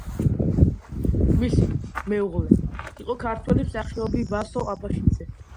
მისი მეუღლე იყო ქართველი მსახიობი ვასო აბაშიძე.